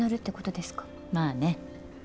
まあね。